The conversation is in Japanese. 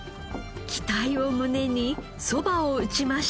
期待を胸にそばを打ちました。